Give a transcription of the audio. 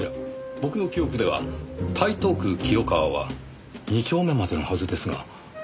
僕の記憶では台東区清川は２丁目までのはずですが。